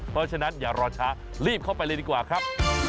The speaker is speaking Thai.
เพราะฉะนั้นอย่ารอช้ารีบเข้าไปเลยดีกว่าครับ